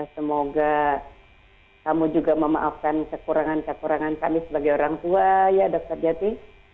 semoga kamu juga memaafkan kekurangan kekurangan kami sebagai orang tua ya dokter jati